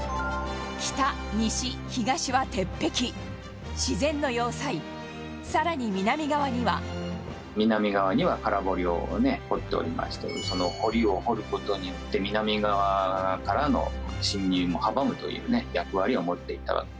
北、西、東は鉄壁自然の要塞更に南側には南側には空堀を掘っておりましてその堀を掘る事によって南側からの侵入も阻むというね役割を持っていたわけですよね。